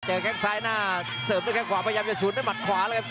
เจอแค่งซ้ายหน้าเซิร์ฟด้วยแค่งขวาพยายามจะสูดด้วยมัดขวา